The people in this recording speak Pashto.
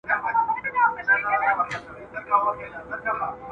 اباسینه! د خوشال لمن درنیسه!